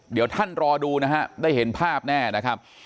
เดี๋ยวท่านรอดูนะฮะได้เห็นภาพแน่นะครับ